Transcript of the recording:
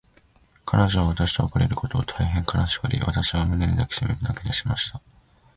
彼女は私と別れることを、大へん悲しがり、私を胸に抱きしめて泣きだしました。